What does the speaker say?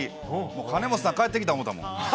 かねもとさん、帰ってきた思うたもん。